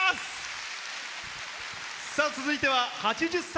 続いては８０歳。